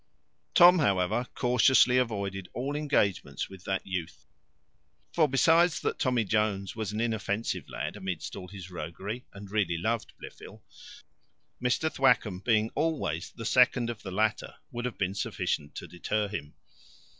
Tom, however, cautiously avoided all engagements with that youth; for besides that Tommy Jones was an inoffensive lad amidst all his roguery, and really loved Blifil, Mr Thwackum being always the second of the latter, would have been sufficient to deter him.